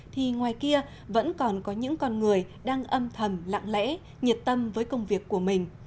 thì ngoài kia vẫn còn có những con người đang âm thầm lặng lẽ nhiệt tâm với công việc của mình